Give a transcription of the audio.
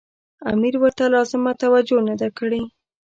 امیر ورته لازمه توجه نه ده کړې.